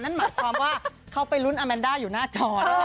หมายความว่าเข้าไปรุ้นอาแมนด้าอยู่หน้าจอ